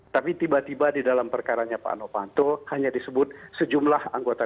tapi tiba tiba di dalam perkaranya pak novanto hanya disebut sejumlah anggota